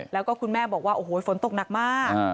แล้วก็คุณแม่บอกว่าโอ้โหฝนตกหนักมาก